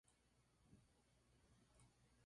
Que son iguales de los dos lados.